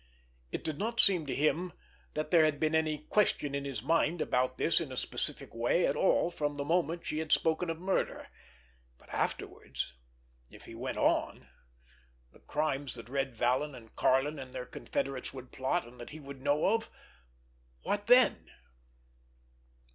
It did not seem to him that there had been any question in his mind about this in a specific way at all from the moment she had spoken of murder. But afterwards—if he went on—the crimes that Red Vallon and Karlin and their confederates would plot, and that he would know of—what then?